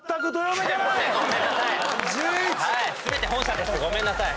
全て本社ですごめんなさい。